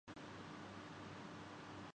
ایک معمولی تصحیح۔